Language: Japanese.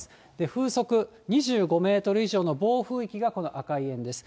風速２５メートル以上の暴風域がこの赤い円です。